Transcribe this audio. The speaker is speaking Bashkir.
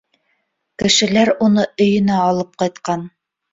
Кешеләр уны өйөнә алып ҡайтҡан.